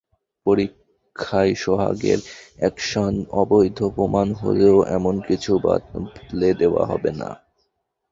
পরীক্ষায় সোহাগের অ্যাকশন অবৈধ প্রমাণ হলেও এমন কিছু বাতলে দেওয়া হবে না।